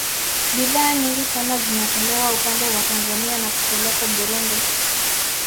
Bidhaa nyingi sana zinatolewa upande wa Tanzania na kupelekwa Burundi